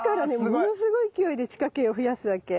ものすごい勢いで地下茎を増やすわけ。